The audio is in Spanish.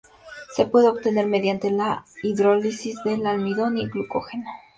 Se puede obtener mediante la hidrólisis del almidón y glucógeno.